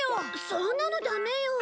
そんなのダメよ！